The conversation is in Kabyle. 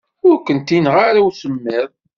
Ur kent-ineɣɣ ara usemmiḍ.